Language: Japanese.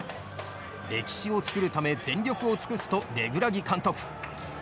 歴史を作るため全力を尽くすとレグラギ監督。